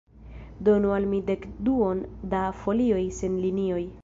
Donu al mi dekduon da folioj sen linioj.